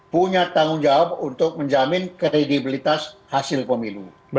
punya tanggung jawab untuk menjamin kredibilitas hasil pemilu